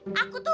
i'm laura tau